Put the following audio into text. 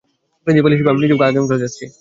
Principal সাহেব আমি নিজেও আগামীকাল যাচ্ছি।